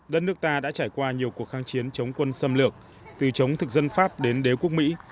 đất nước ta đã trải qua nhiều cuộc kháng chiến chống quân xâm lược từ chống thực dân pháp đến đế quốc mỹ